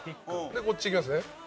こっち行きますね。